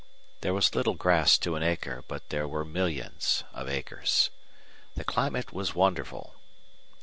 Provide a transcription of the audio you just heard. There was little grass to an acre, but there were millions of acres. The climate was wonderful.